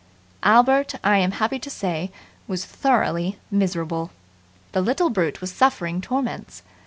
Albert, I am happy to say, was thoroughly miserable. The little brute was suffering torments.